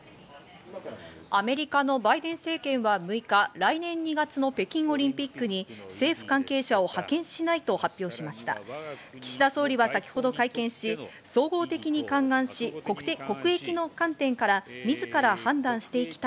アメリカのバイデン政権は６日、来年２月の北京オリンピックに政府関係者を派遣しないと発表しました。